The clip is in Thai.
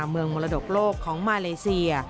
เมืองมระดบโลกของมาเลเซีย